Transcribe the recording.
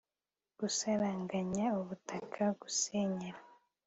gusaranganya ubutaka, gusenyera